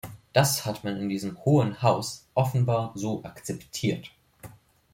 Das hat man in diesem Hohen Haus offenbar so akzeptiert.